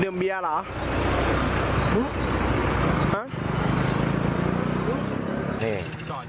ดื่มเบียร์เหรอ